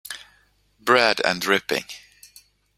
Bread and dripping.